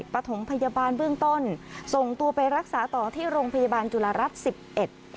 ปฐมพยาบาลเบื้องต้นส่งตัวไปรักษาต่อที่โรงพยาบาลจุฬารัฐสิบเอ็ด